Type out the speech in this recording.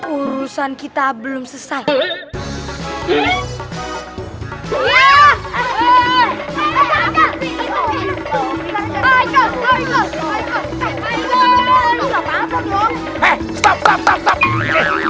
urusan kita belum selesai